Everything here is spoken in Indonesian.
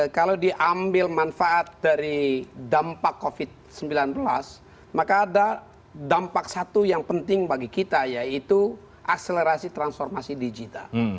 kalau diambil manfaat dari dampak covid sembilan belas maka ada dampak satu yang penting bagi kita yaitu akselerasi transformasi digital